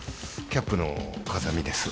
キャップの風見です。